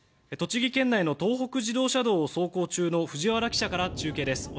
栃木県の東北自動車道を走行中の藤原記者から中継です。